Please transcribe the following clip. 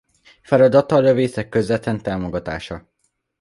Feladata a lövészek közvetlen támogatása.